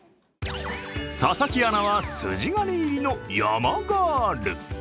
佐々木アナは筋金入りの山ガール。